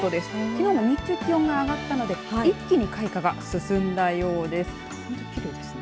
きのうも日中気温が上がったので一気に開花が進んだようです。